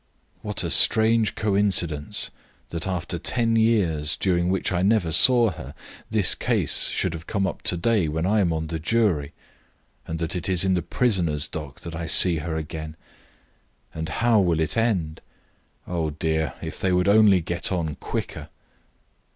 "What a strange coincidence that after ten years, during which I never saw her, this case should have come up today when I am on the jury, and that it is in the prisoners' dock that I see her again! And how will it end? Oh, dear, if they would only get on quicker."